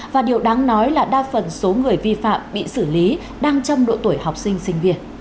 và điều đáng nói là đa phần số người vi phạm bị xử lý đang trong độ tuổi học sinh sinh viên